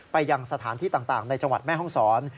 ไปยังสถานที่ต่างในจังหวัดแม่ห้องศร